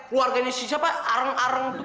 luarganya siapa arang arang